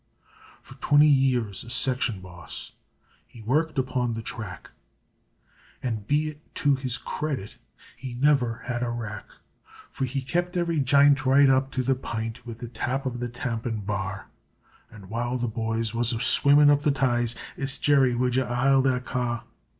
For twinty years a section boss, he worked upon the track, And be it to his cred i it he niver had a wrack. For he kept every j'int right up to the p'int wid the tap of the tampin bar r r; And while the byes was a swimmin' up the ties, It's "Jerry, wud yez ile that car r r!"